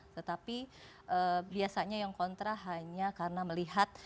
tetapi biasanya yang kontra hanya karena melihat